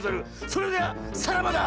それではさらばだ！